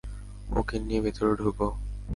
ওকে নিয়ে ভেতরে ঢোকো!